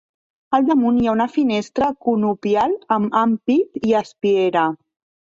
Al damunt hi ha una finestra conopial amb ampit i espiera.